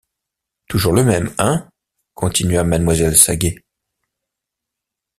Toujours le même, hein? continua mademoiselle Saget.